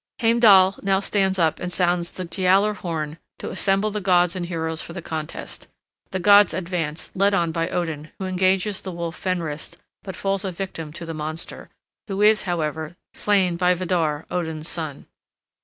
Heimdall now stands up and sounds the Giallar horn to assemble the gods and heroes for the contest. The gods advance, led on by Odin, who engages the wolf Fenris, but falls a victim to the monster, who is, however, slain by Vidar, Odin's son.